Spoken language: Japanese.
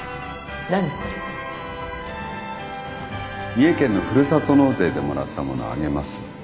三重県のふるさと納税でもらったものあげます。